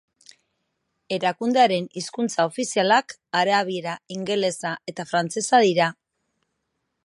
Erakundearen hizkuntza ofizialak arabiera, ingelesa eta frantsesa dira.